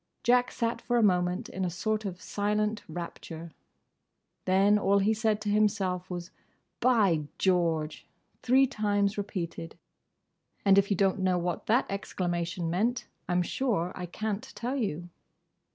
Jack sat for a moment in a sort of silent rapture. Then all he said to himself was "By George!" three times repeated; and if you don't know what that exclamation meant, I 'm sure I can't tell you.